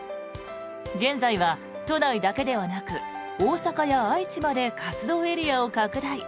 現在は都内だけではなく大阪や愛知まで活動エリアを拡大。